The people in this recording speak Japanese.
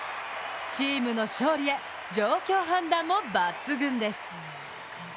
チームの勝利へ状況判断も抜群です。